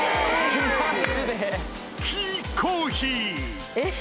キーコーヒー！え！